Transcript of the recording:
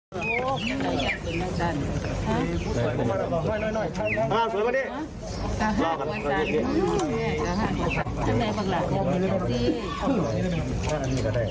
หลุดเยอะหลุดเยอะ